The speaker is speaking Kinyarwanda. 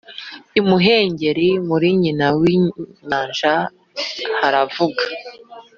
imuhengeri muri nyina w’inyanja haravura.